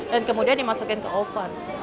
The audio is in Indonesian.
dan kemudian dimasukin ke oven